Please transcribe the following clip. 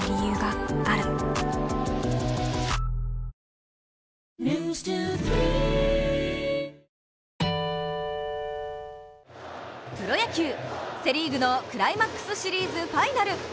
メロメロプロ野球、セ・リーグのクライマックスシリーズファイナル。